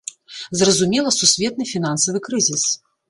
Зразумела, сусветны фінансавы крызіс.